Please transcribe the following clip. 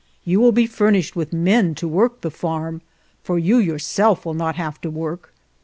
You will be fur nished with men to work the farm, for you yourself will not have to work.